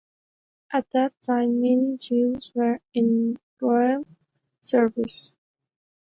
At that time many Jews were in royal service.